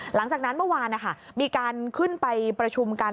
หลังจากนั้นเมื่อวานมีการขึ้นไปประชุมกัน